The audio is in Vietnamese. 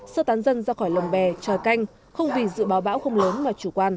sơ tán dân ra khỏi lồng bè tròi canh không vì dự báo bão không lớn mà chủ quan